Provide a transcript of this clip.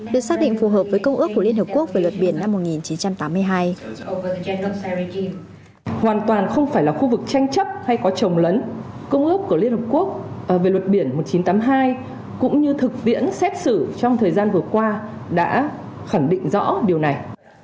được xác định phù hợp với công ước của liên hợp quốc về luật biển năm một nghìn chín trăm tám mươi hai